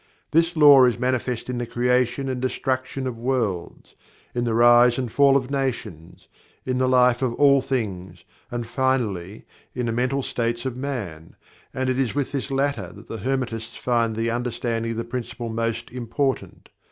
This law is manifest in the creation and destruction of worlds; in the rise and fall of nations; in the life of all things; and finally in the mental states of Man (and it is with this latter that the Hermetists find the understanding of the Principle most important).